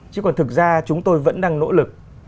chứ còn thực ra chúng tôi vẫn đang nỗ lực